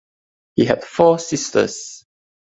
He had four sisters.